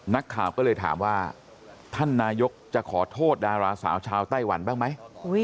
นักข่าวก็เลยถามว่าท่านนายกจะขอโทษดาราสาวชาวไต้หวันบ้างไหม